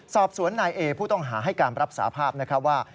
สอบสวนนายเอผู้ต้องหาให้การรับสาภาพนะครับว่า